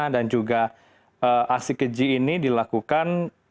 dan juga asik keji ini dilakukan